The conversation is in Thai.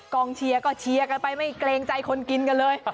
กองเชียร์ก็เชียร์กันไปไม่เกรงใจคนกินกันเลย